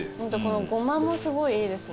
ゴマもすごいいいですね